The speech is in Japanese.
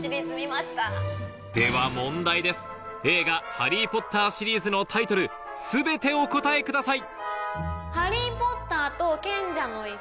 『ハリー・ポッター』シリーズのタイトル全てお答えください